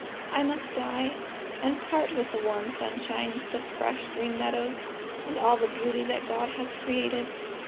I must die, and part with the warm sunshine, the fresh green meadows, and all the beauty that God has created."